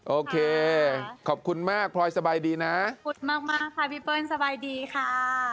โอเคขอบคุณมากพลอยสบายดีนะอุ๊ดมากค่ะพี่เปิ้ลสบายดีค่ะ